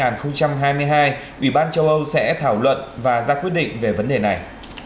năm hai nghìn hai mươi hai ủy ban châu âu sẽ thảo luận và ra quyết định về vấn đề này